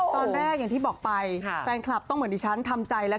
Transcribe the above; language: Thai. ตอนแรกอย่างที่บอกไปแฟนคลับต้องเหมือนดิฉันทำใจแล้ว